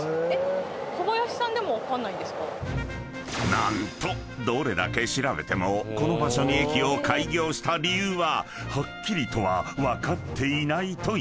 ［何とどれだけ調べてもこの場所に駅を開業した理由ははっきりとは分かっていないという］